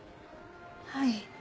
はい。